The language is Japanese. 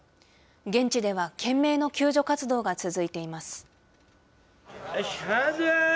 現地では、懸命の救助活動が続いています。